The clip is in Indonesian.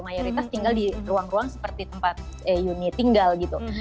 mayoritas tinggal di ruang ruang seperti tempat yuni tinggal gitu